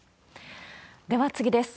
では次です。